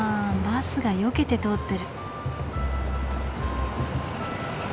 バスがよけて通ってる。